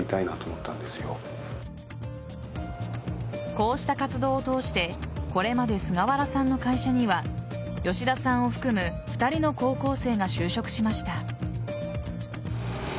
こうした活動を通してこれまで菅原さんの会社には吉田さんを含む２人の高校生が就職しました。